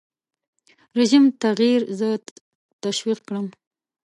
رژیم تغییر زه تشویق کړم.